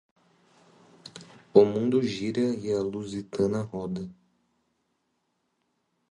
O mundo gira e a Luzitana roda.